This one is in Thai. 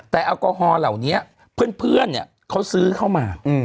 แต่แอลกอฮอล์เหล่านี้เพื่อนเนี่ยเขาซื้อเข้ามา